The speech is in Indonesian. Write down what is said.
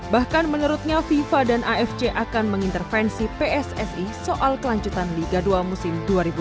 bahkan menurutnya fifa dan afc akan mengintervensi pssi soal kelanjutan liga dua musim dua ribu dua puluh dua dua ribu dua puluh tiga